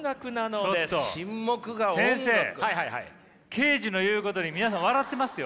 ケージの言うことに皆さん笑ってますよ。